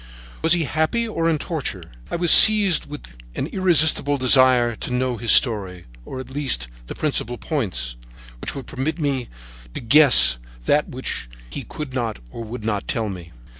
Was he happy or in torture? I was seized with an irresistible desire to know his story, or, at least, the principal points, which would permit me to guess that which he could not or would not tell me.